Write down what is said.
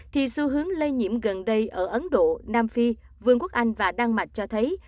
thì xu hướng lây nhiễm gần đây ở ấn độ nam phi vương quốc anh và đan mạch cho thấy